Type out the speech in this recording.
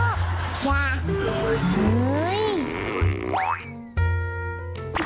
อย่ามาจับมือ